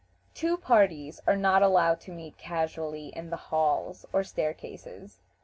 Two parties are not allowed to meet casually in the halls or staircases.